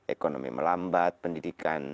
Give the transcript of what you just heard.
ekonomi melambat pendidikan